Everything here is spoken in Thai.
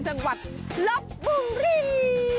จังหวัดลบบุรี